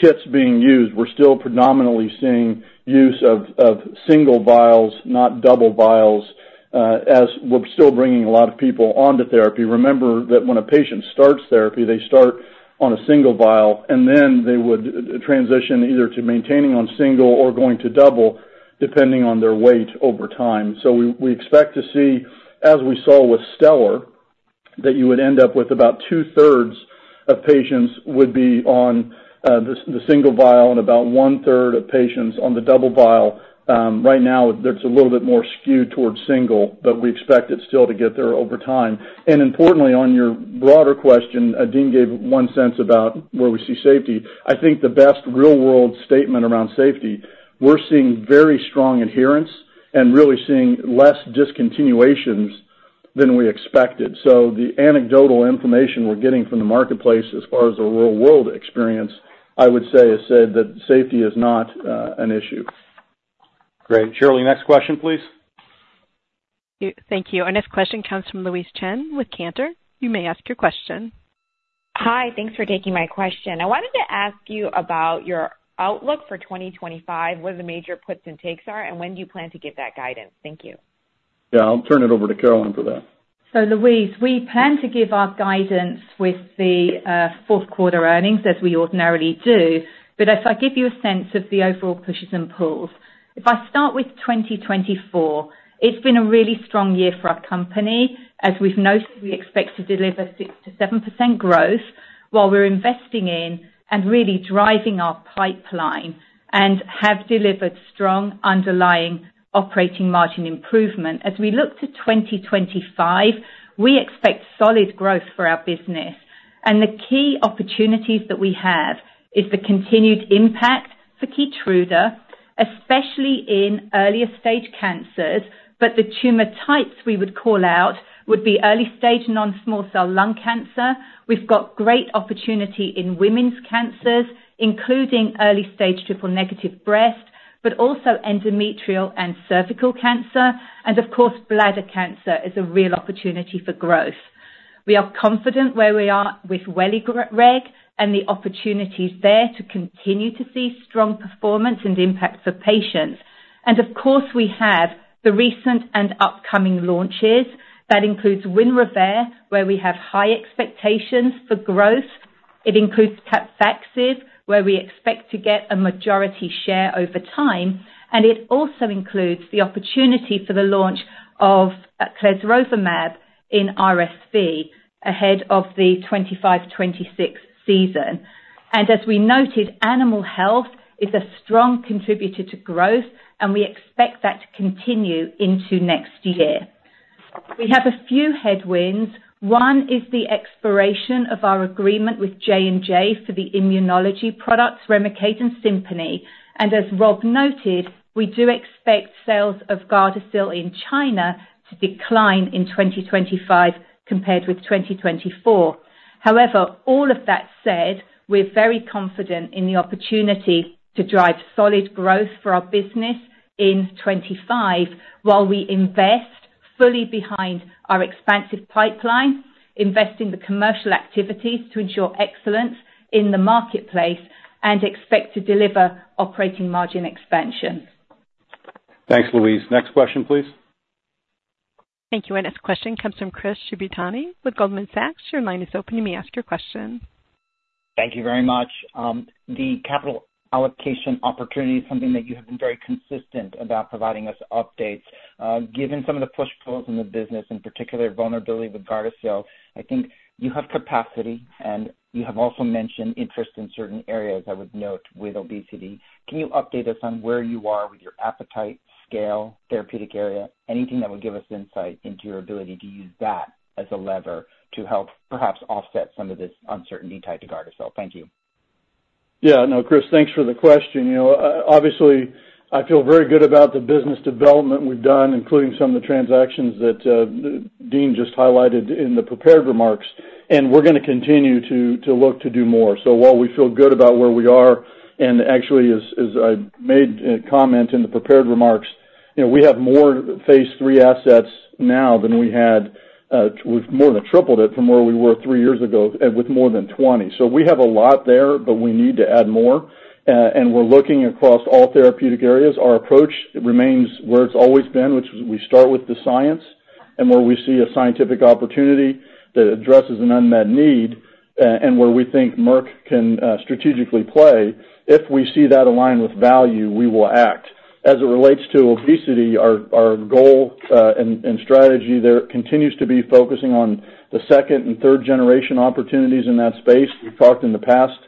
S3: kits being used, we're still predominantly seeing use of single vials, not double vials, as we're still bringing a lot of people onto therapy. Remember that when a patient starts therapy, they start on a single vial, and then they would transition either to maintaining on single or going to double, depending on their weight over time. So we expect to see, as we saw with STELLAR, that you would end up with about two-thirds of patients would be on the single vial and about one-third of patients on the double vial. Right now, it's a little bit more skewed towards single, but we expect it still to get there over time, and importantly, on your broader question, Dean gave one sense about where we see safety. I think the best real-world statement around safety. We're seeing very strong adherence and really seeing less discontinuations than we expected. So the anecdotal information we're getting from the marketplace as far as a real-world experience, I would say, has said that safety is not an issue.
S2: Great. Shirley, next question, please.
S1: Thank you. Our next question comes from Louise Chen with Cantor. You may ask your question.
S8: Hi, thanks for taking my question. I wanted to ask you about your outlook for 2025, what the major puts and takes are, and when do you plan to give that guidance? Thank you.
S3: Yeah, I'll turn it over to Caroline for that.
S4: So Louise, we plan to give our guidance with the fourth quarter earnings, as we ordinarily do, but if I give you a sense of the overall pushes and pulls, if I start with 2024, it's been a really strong year for our company. As we've noted, we expect to deliver 6%-7% growth while we're investing in and really driving our pipeline and have delivered strong underlying operating margin improvement. As we look to 2025, we expect solid growth for our business. And the key opportunities that we have is the continued impact for Keytruda, especially in earlier stage cancers, but the tumor types we would call out would be early stage non-small cell lung cancer. We've got great opportunity in women's cancers, including early stage triple negative breast, but also endometrial and cervical cancer. And of course, bladder cancer is a real opportunity for growth. We are confident where we are with Welireg and the opportunities there to continue to see strong performance and impact for patients. And of course, we have the recent and upcoming launches. That includes Winrevair, where we have high expectations for growth. It includes Capvaxive, where we expect to get a majority share over time. And it also includes the opportunity for the launch of clesrovimab in RSV ahead of the 25-26 season. and as we noted, animal health is a strong contributor to growth, and we expect that to continue into next year. We have a few headwinds. One is the expiration of our agreement with J&J for the immunology products, Remicade and Simponi. And as Rob noted, we do expect sales of Gardasil in China to decline in 2025 compared with 2024. However, all of that said, we're very confident in the opportunity to drive solid growth for our business in 25 while we invest fully behind our expansive pipeline, invest in the commercial activities to ensure excellence in the marketplace, and expect to deliver operating margin expansion.
S1: Thanks, Louise. Next question, please. Thank you. Our next question comes from Chris Shibutani with Goldman Sachs. Your line is open. You may ask your question.
S9: Thank you very much. The capital allocation opportunity is something that you have been very consistent about providing us updates. Given some of the push pulls in the business, in particular vulnerability with Gardasil, I think you have capacity, and you have also mentioned interest in certain areas, I would note, with obesity. Can you update us on where you are with your appetite scale, therapeutic area, anything that would give us insight into your ability to use that as a lever to help perhaps offset some of this uncertainty tied to Gardasil? Thank you.
S3: Yeah. No, Chris, thanks for the question. Obviously, I feel very good about the business development we've done, including some of the transactions that Dean just highlighted in the prepared remarks. And we're going to continue to look to do more. So while we feel good about where we are, and actually, as I made a comment in the prepared remarks, we have more phase 3 assets now than we had. We've more than tripled it from where we were three years ago with more than 20. So we have a lot there, but we need to add more. And we're looking across all therapeutic areas. Our approach remains where it's always been, which we start with the science and where we see a scientific opportunity that addresses an unmet need and where we think Merck can strategically play. If we see that aligned with value, we will act. As it relates to obesity, our goal and strategy there continues to be focusing on the second- and third-generation opportunities in that space. We've talked in the past,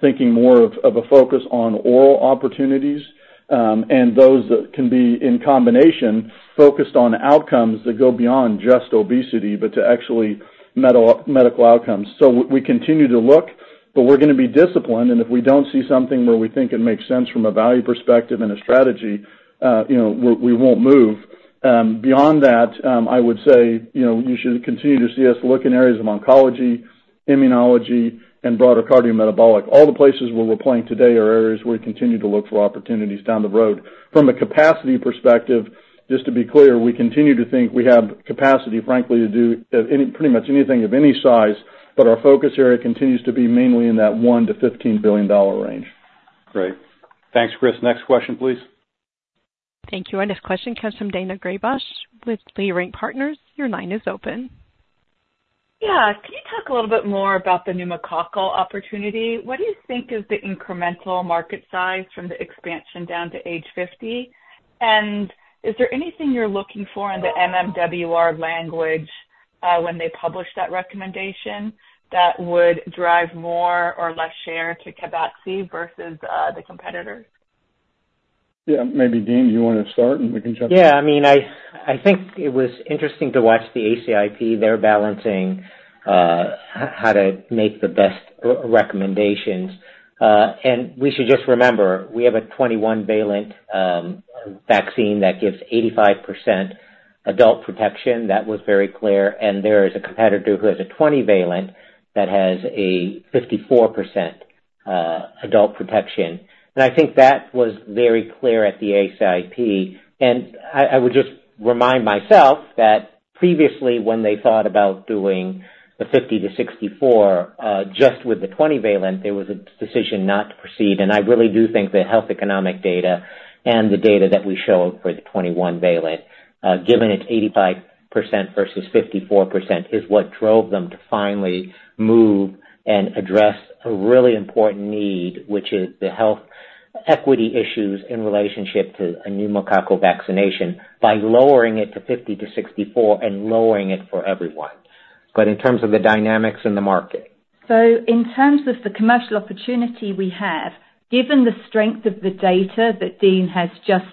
S3: thinking more of a focus on oral opportunities and those that can be in combination, focused on outcomes that go beyond just obesity, but to actually medical outcomes. So we continue to look, but we're going to be disciplined, and if we don't see something where we think it makes sense from a value perspective and a strategy, we won't move. Beyond that, I would say you should continue to see us look in areas of oncology, immunology, and broader cardiometabolic. All the places where we're playing today are areas where we continue to look for opportunities down the road. From a capacity perspective, just to be clear, we continue to think we have capacity, frankly, to do pretty much anything of any size, but our focus area continues to be mainly in that $1 billion-$15 billion range.
S2: Great. Thanks, Chris. Next question, please.
S1: Thank you. Our next question comes from Daina Graybosch with Leerink Partners. Your line is open.
S10: Yeah. Can you talk a little bit more about the pneumococcal opportunity? What do you think is the incremental market size from the expansion down to age 50? And is there anything you're looking for in the MMWR language when they publish that recommendation that would drive more or less share to Capvaxive versus the competitors?
S3: Yeah. Maybe Dean, do you want to start and we can jump in?
S5: Yeah. I mean, I think it was interesting to watch the ACIP, their balancing how to make the best recommendations. And we should just remember, we have a 21-valent vaccine that gives 85% adult protection. That was very clear. And there is a competitor who has a 20-valent that has a 54% adult protection. And I think that was very clear at the ACIP. And I would just remind myself that previously, when they thought about doing the 50 to 64, just with the 20-valent, there was a decision not to proceed. And I really do think the health economic data and the data that we show for the 21-valent, given it's 85% versus 54%, is what drove them to finally move and address a really important need, which is the health equity issues in relationship to a pneumococcal vaccination by lowering it to 50 to 64 and lowering it for everyone. But in terms of the dynamics in the market.
S4: So in terms of the commercial opportunity we have, given the strength of the data that Dean has just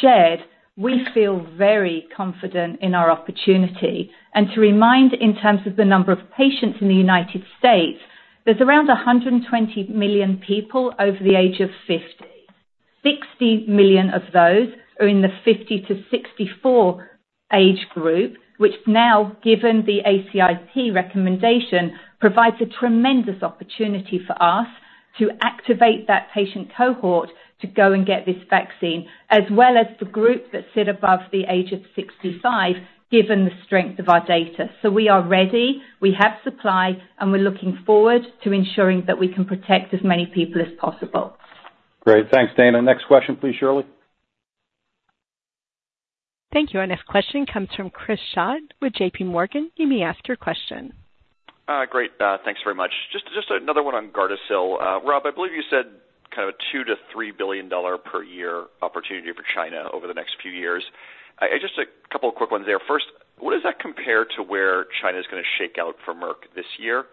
S4: shared, we feel very confident in our opportunity. To remind, in terms of the number of patients in the United States, there's around 120 million people over the age of 50. 60 million of those are in the 50 to 64 age group, which now, given the ACIP recommendation, provides a tremendous opportunity for us to activate that patient cohort to go and get this vaccine, as well as the group that sit above the age of 65, given the strength of our data. So we are ready. We have supply, and we're looking forward to ensuring that we can protect as many people as possible.
S2: Great. Thanks, Daina. Next question, please, Shirley.
S1: Thank you. Our next question comes from Chris Schott with JPMorgan. You may ask your question.
S11: Great. Thanks very much. Just another one on Gardasil. Rob, I believe you said kind of a $2 billion-$3 billion per year opportunity for China over the next few years. Just a couple of quick ones there. First, what does that compare to where China is going to shake out for Merck this year?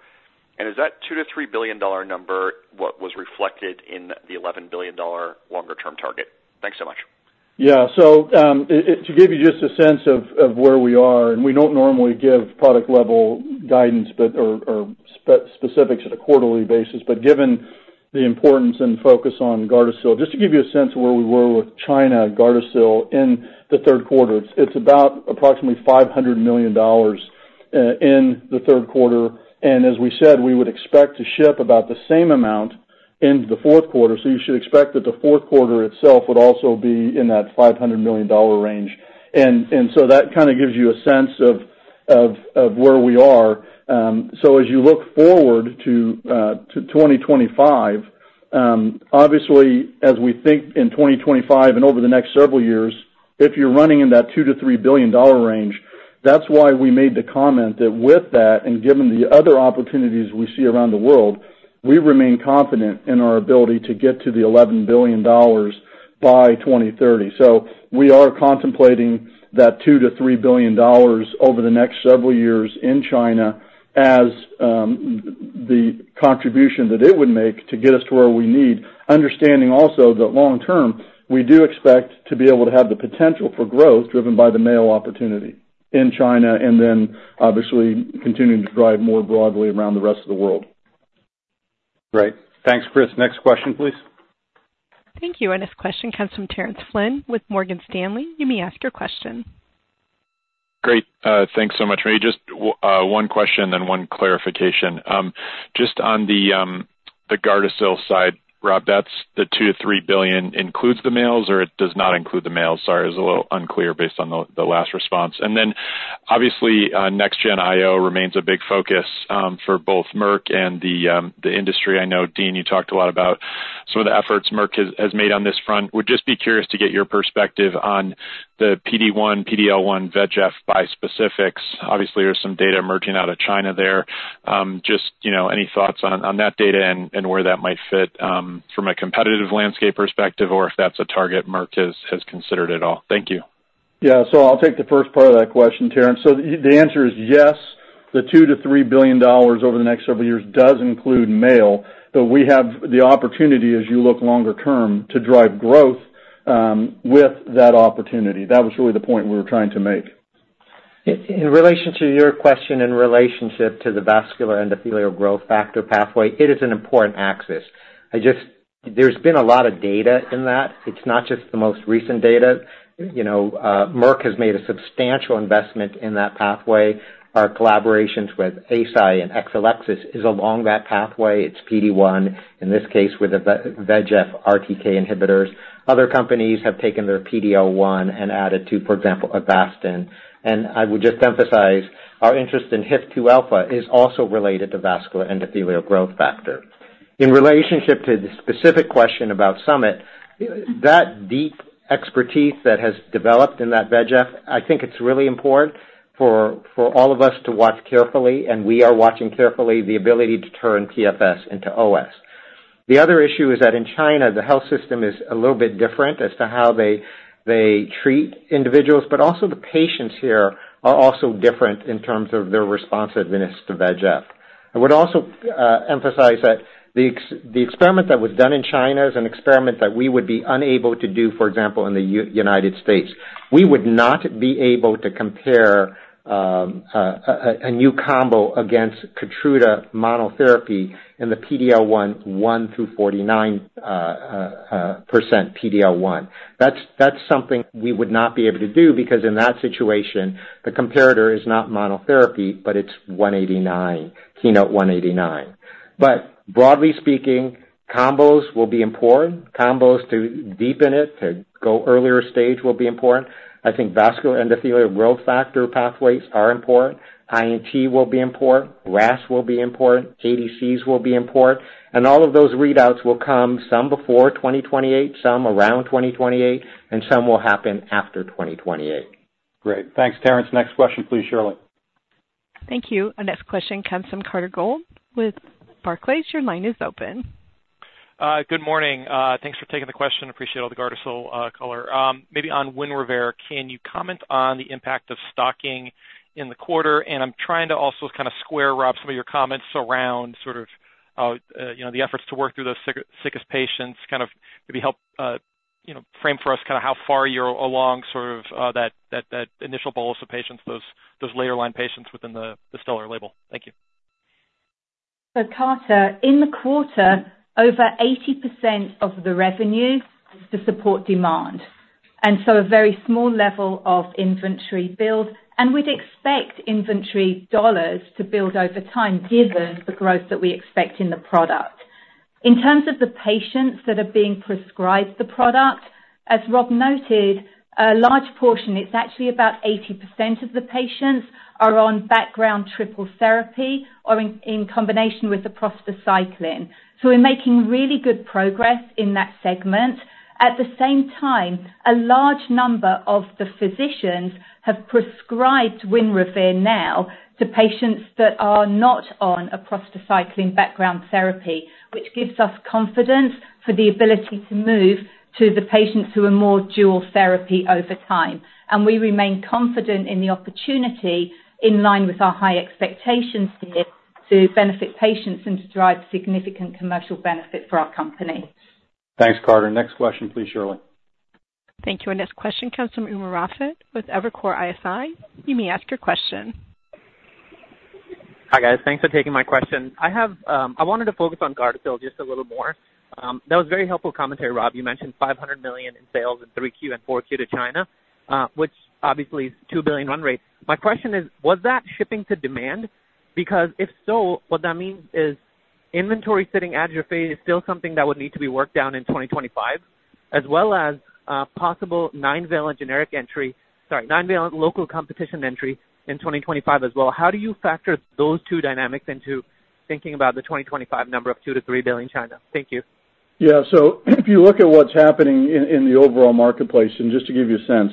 S11: And is that $2 billion-$3 billion number what was reflected in the $11 billion longer term target? Thanks so much.
S3: Yeah. So to give you just a sense of where we are, and we don't normally give product level guidance or specifics at a quarterly basis, but given the importance and focus on Gardasil, just to give you a sense of where we were with China and Gardasil in the third quarter, it's about approximately $500 million in the third quarter. And as we said, we would expect to ship about the same amount in the fourth quarter. You should expect that the fourth quarter itself would also be in that $500 million range. And so that kind of gives you a sense of where we are. So as you look forward to 2025, obviously, as we think in 2025 and over the next several years, if you're running in that $2 billion-$3 billion range, that's why we made the comment that with that, and given the other opportunities we see around the world, we remain confident in our ability to get to the $11 billion by 2030. So we are contemplating that $2 billion-$3 billion over the next several years in China as the contribution that it would make to get us to where we need, understanding also that long term, we do expect to be able to have the potential for growth driven by the adult opportunity in China and then obviously continuing to drive more broadly around the rest of the world.
S2: Great. Thanks, Chris. Next question, please.
S1: Thank you. Our next question comes from Terence Flynn with Morgan Stanley. You may ask your question.
S12: Great. Thanks so much. Just one question and one clarification. Just on the Gardasil side, Rob, that's the $2 billion-$3 billion includes the adult or it does not include the adult? Sorry, it was a little unclear based on the last response. Then obviously, Next-Gen IO remains a big focus for both Merck and the industry. I know, Dean, you talked a lot about some of the efforts Merck has made on this front. Would just be curious to get your perspective on the PD1, PDL1, VEGF bispecifics. Obviously, there's some data emerging out of China there. Just any thoughts on that data and where that might fit from a competitive landscape perspective or if that's a target Merck has considered at all? Thank you.
S3: Yeah. So I'll take the first part of that question, Terence. So the answer is yes. The $2 billion-$3 billion over the next several years does include male, but we have the opportunity, as you look longer term, to drive growth with that opportunity. That was really the point we were trying to make.
S5: In relation to your question in relationship to the vascular endothelial growth factor pathway, it is an important axis. There's been a lot of data in that. It's not just the most recent data. Merck has made a substantial investment in that pathway. Our collaborations with Eisai and Exelixis is along that pathway. It's PD-1, in this case with VEGF RTK inhibitors. Other companies have taken their PD-L1 and added to, for example, Avastin. And I would just emphasize our interest in HIF-2 alpha is also related to vascular endothelial growth factor. In relationship to the specific question about Summit, that deep expertise that has developed in that VEGF, I think it's really important for all of us to watch carefully, and we are watching carefully the ability to turn PFS into OS. The other issue is that in China, the health system is a little bit different as to how they treat individuals, but also the patients here are also different in terms of their responsiveness to VEGF. I would also emphasize that the experiment that was done in China is an experiment that we would be unable to do, for example, in the United States. We would not be able to compare a new combo against Keytruda monotherapy in the PD-L1 one through 49% PD-L1. That's something we would not be able to do because in that situation, the comparator is not monotherapy, but it's 189, KEYNOTE-189. But broadly speaking, combos will be important. Combos to deepen it, to go earlier stage will be important. I think vascular endothelial growth factor pathways are important. INT will be important. RAS will be important. ADCs will be important. All of those readouts will come some before 2028, some around 2028, and some will happen after 2028.
S2: Great. Thanks, Terence. Next question, please, Shirley.
S1: Thank you. Our next question comes from Carter Gould with Barclays. Your line is open.
S13: Good morning. Thanks for taking the question. Appreciate all the Gardasil color. Maybe on Winrevair, can you comment on the impact of stocking in the quarter? And I'm trying to also kind of square, Rob, some of your comments around sort of the efforts to work through those sickest patients, kind of maybe help frame for us kind of how far you're along sort of that initial bolus of patients, those later line patients within the STELLAR label. Thank you.
S4: So Carter, in the quarter, over 80% of the revenue is to support demand. And so a very small level of inventory build. And we'd expect inventory dollars to build over time given the growth that we expect in the product. In terms of the patients that are being prescribed the product, as Rob noted, a large portion, it's actually about 80% of the patients are on background triple therapy or in combination with the prostacyclin. So we're making really good progress in that segment. At the same time, a large number of the physicians have prescribed Winrevair now to patients that are not on a prostacyclin background therapy, which gives us confidence for the ability to move to the patients who are more dual therapy over time. And we remain confident in the opportunity in line with our high expectations here to benefit patients and to drive significant commercial benefit for our company.
S2: Thanks, Carter. Next question, please, Shirley.
S1: Thank you. Our next question comes from Umer Raffat with Evercore ISI.
S14: You may ask your question. Hi guys. Thanks for taking my question. I wanted to focus on Gardasil just a little more. That was very helpful commentary, Rob. You mentioned $500 million in sales in 3Q and 4Q to China, which obviously is $2 billion run rate. My question is, was that shipping to demand? Because if so, what that means is inventory sitting at your feet is still something that would need to be worked down in 2025, as well as possible nine-valent generic entry, sorry, nine-valent local competition entry in 2025 as well. How do you factor those two dynamics into thinking about the 2025 number of $2 billion-$3 billion China? Thank you.
S3: Yeah. So if you look at what's happening in the overall marketplace, and just to give you a sense,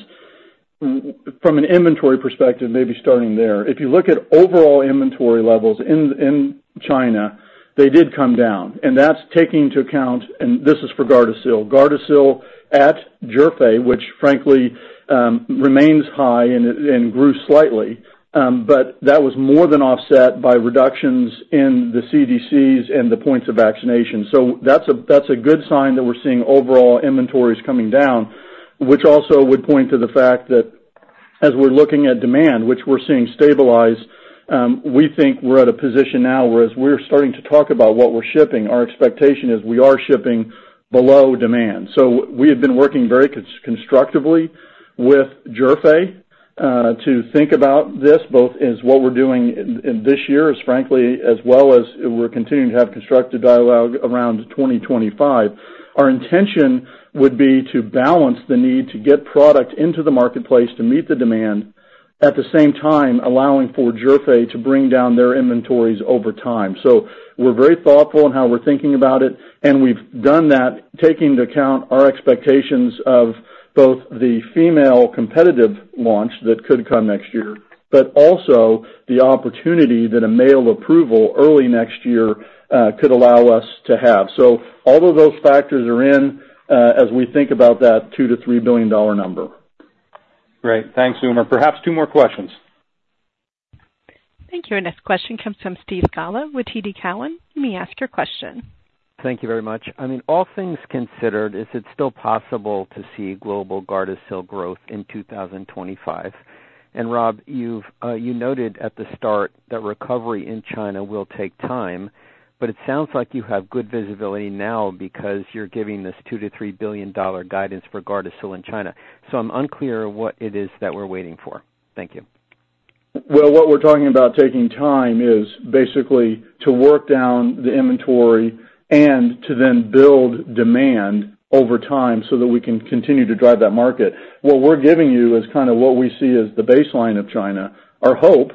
S3: from an inventory perspective, maybe starting there, if you look at overall inventory levels in China, they did come down. And that's taking into account, and this is for Gardasil, Gardasil at Zhifei, which frankly remains high and grew slightly, but that was more than offset by reductions in the CDCs and the points of vaccination. So that's a good sign that we're seeing overall inventories coming down, which also would point to the fact that as we're looking at demand, which we're seeing stabilize, we think we're at a position now where we're starting to talk about what we're shipping, our expectation is we are shipping below demand. So we have been working very constructively with Zhifei to think about this both as what we're doing this year as frankly as well as we're continuing to have constructive dialogue around 2025. Our intention would be to balance the need to get product into the marketplace to meet the demand at the same time allowing for Zhifei to bring down their inventories over time. So we're very thoughtful in how we're thinking about it, and we've done that taking into account our expectations of both the female competitive launch that could come next year, but also the opportunity that a male approval early next year could allow us to have. So all of those factors are in as we think about that $2 billion-$3 billion number.
S2: Great. Thanks, Umer. Perhaps two more questions.
S1: Thank you. Our next question comes from Steve Scala with TD Cowen. You may ask your question.
S15: Thank you very much. I mean, all things considered, is it still possible to see global Gardasil growth in 2025? And Rob, you noted at the start that recovery in China will take time, but it sounds like you have good visibility now because you're giving this $2 billion-$3 billion guidance for Gardasil in China. So I'm unclear what it is that we're waiting for. Thank you.
S3: What we're talking about taking time is basically to work down the inventory and to then build demand over time so that we can continue to drive that market. What we're giving you is kind of what we see as the baseline of China. Our hope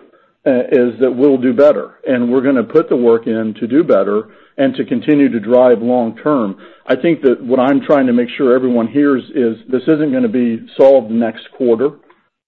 S3: is that we'll do better, and we're going to put the work in to do better and to continue to drive long term. I think that what I'm trying to make sure everyone hears is this isn't going to be solved next quarter.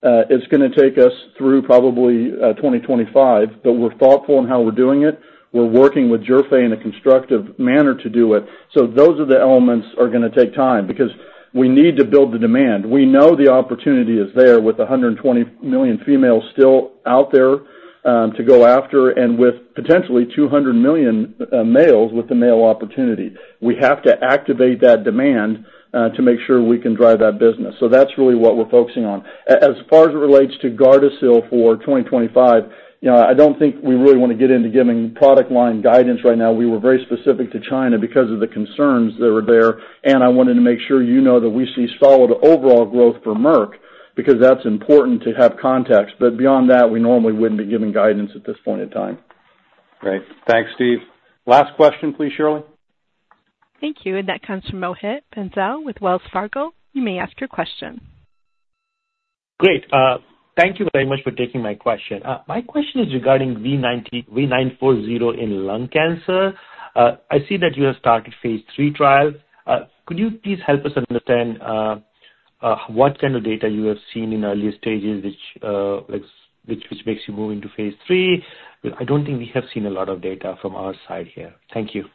S3: It's going to take us through probably 2025, but we're thoughtful in how we're doing it. We're working with Zhifei in a constructive manner to do it. So those are the elements that are going to take time because we need to build the demand. We know the opportunity is there with 120 million females still out there to go after and with potentially 200 million males with the male opportunity. We have to activate that demand to make sure we can drive that business. So that's really what we're focusing on. As far as it relates to Gardasil for 2025, I don't think we really want to get into giving product line guidance right now. We were very specific to China because of the concerns that were there, and I wanted to make sure you know that we see solid overall growth for Merck because that's important to have context. But beyond that, we normally wouldn't be giving guidance at this point in time.
S2: Great. Thanks, Steve. Last question, please, Shirley.
S1: Thank you. And that comes from Mohit Bansal with Wells Fargo. You may ask your question.
S16: Great. Thank you very much for taking my question. My question is regarding V940 in lung cancer. I see that you have started phase three trial. Could you please help us understand what kind of data you have seen in early stages, which makes you move into phase three? I don't think we have seen a lot of data from our side here. Thank you.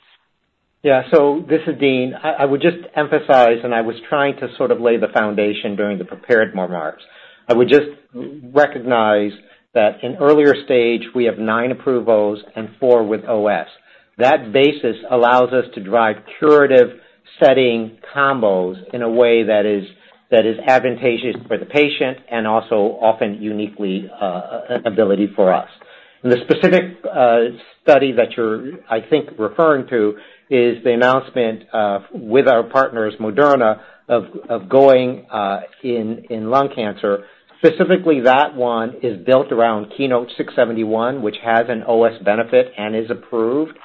S5: Yeah. So this is Dean. I would just emphasize, and I was trying to sort of lay the foundation during the prepared remarks. I would just recognize that in earlier stage, we have nine approvals and four with OS. That basis allows us to drive curative setting combos in a way that is advantageous for the patient and also often uniquely an ability for us. And the specific study that you're, I think, referring to is the announcement with our partners, Moderna, of going in lung cancer. Specifically, that one is built around KEYNOTE-671, which has an OS benefit and is approved.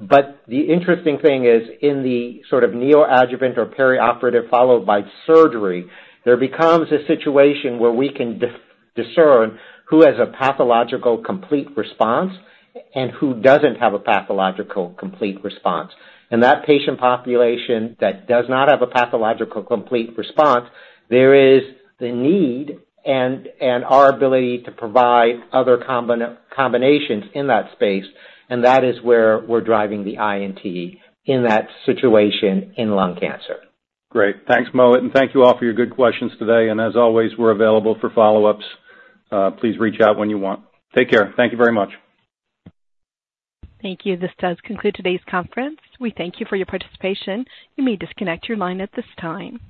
S5: But the interesting thing is in the sort of neoadjuvant or perioperative followed by surgery, there becomes a situation where we can discern who has a pathological complete response and who doesn't have a pathological complete response. And that patient population that does not have a pathological complete response, there is the need and our ability to provide other combinations in that space, and that is where we're driving the INT in that situation in lung cancer.
S2: Great. Thanks, Mohit. And thank you all for your good questions today. And as always, we're available for follow-ups. Please reach out when you want. Take care. Thank you very much.
S1: Thank you. This does conclude today's conference. We thank you for your participation. You may disconnect your line at this time.